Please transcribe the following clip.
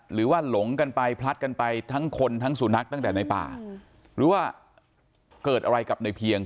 หลงกันไปพลัดกันไปทั้งคนทั้งสุนัขตั้งแต่ในป่าหรือว่าเกิดอะไรกับในเพียง